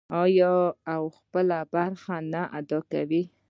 آیا او خپله برخه نه ادا کوي؟